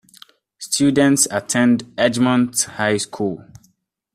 Students attend Edgemont High School.